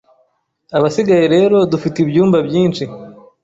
abasigaye rero dufite ibyumba byinshi